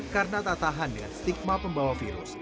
karena tak tahan dengan stigma pembawa virus